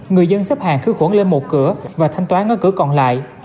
người dân xếp hàng cứ quẩn lên một cửa và thanh toán ở cửa còn lại